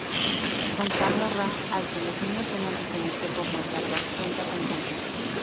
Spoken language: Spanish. Don Camorra, al que los niños suelen referirse como "el Barbas" cuenta con cómplices.